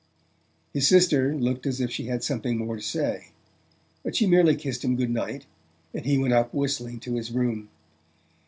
His sister looked as if she had something more to say; but she merely kissed him good night, and he went up whistling to his room.